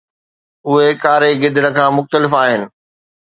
اهي ڪاري گدڙ کان مختلف آهن